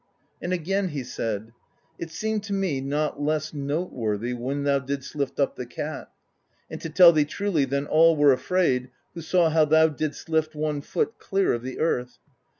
"' "And again he said: 'It seemed to me not less note worthy when thou didst lift up the cat; and to tell thee truly, then all were afraid who saw how thou didst lift one foot clear of the earth.